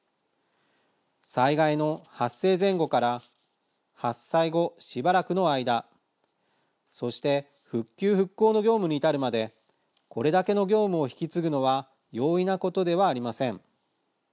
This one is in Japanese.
災害の発生前後から発災後しばらくの間、そして復旧・復興の業務に至るまでこれだけの業務を引き継ぐのは容易なことではありません。